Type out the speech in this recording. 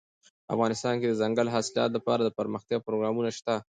افغانستان کې د دځنګل حاصلات لپاره دپرمختیا پروګرامونه شته.